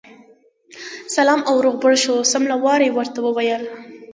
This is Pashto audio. سلا او روغبړ شو، سم له واره یې ورته وویل.